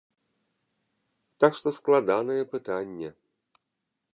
Так што складанае пытанне.